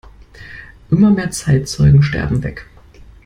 Immer mehr Zeitzeugen sterben weg.